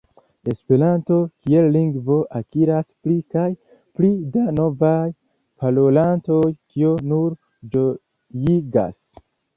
Esperanto kiel lingvo akiras pli kaj pli da novaj parolantoj, kio nur ĝojigas.